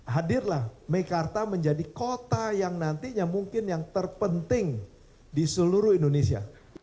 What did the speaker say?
hadirlah mekarta menjadi kota yang nantinya mungkin yang terpenting di seluruh indonesia